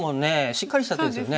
しっかりした手ですね。